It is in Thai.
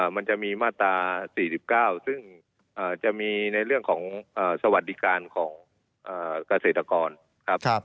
มันจะมีมาตรา๔๙ซึ่งจะมีในเรื่องของสวัสดิการของเกษตรกรครับ